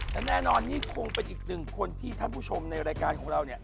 แต่แน่นอนนี่คงเป็นอีกหนึ่งคนที่ท่านผู้ชมในรายการของเราเนี่ย